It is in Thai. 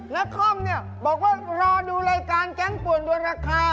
นครเนี่ยบอกว่ารอดูรายการแก๊งป่วนดวนราคา